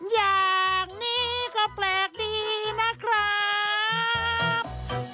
อย่างนี้ก็แปลกดีนะครับ